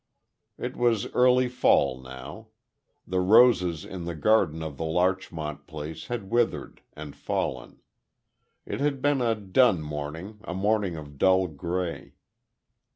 It was early fall now. The roses in the garden of the Larchmont place had withered, and fallen. It had been a dun morning, a morning of dull gray....